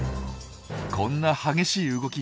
こんな激しい動き